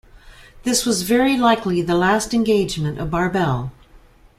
This was very likely the last engagement of "Barbel".